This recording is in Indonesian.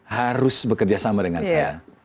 harus bekerjasama dengan saya